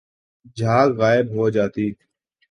جھاگ غائب ہو جاتی